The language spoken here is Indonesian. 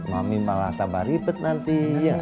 mami malah tambah ribet nanti